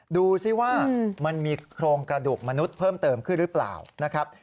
ดูสิว่ามันมีโครงกระดูกมนุษย์เพิ่มเติมขึ้นหรือเปล่านะครับ